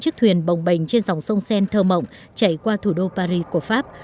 ba mươi tám chiếc thuyền bồng bềnh trên dòng sông sen thơ mộng chạy qua thủ đô paris của pháp